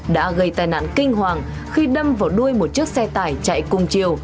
đã gây tai nạn kinh hoàng khi đâm vào đuôi một chiếc xe tải chạy cùng chiều